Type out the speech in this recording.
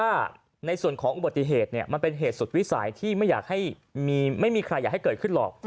อันนี้ไม่ใช่ข้ออ้าง